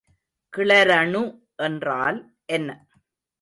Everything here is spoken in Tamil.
கிளரணு என்றால் என்ன?